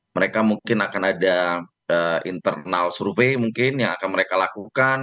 mereka mungkin akan ada internal survei mungkin yang akan mereka lakukan